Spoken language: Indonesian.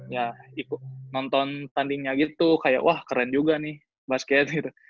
ya ikut nonton tandingnya gitu kayak wah keren juga nih basket gitu